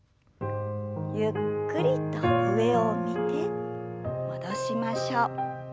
ゆっくりと上を見て戻しましょう。